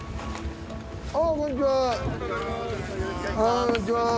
ああこんにちは。